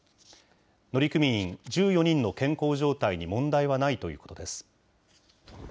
乗組員１４人の健康状態に問題はないということです。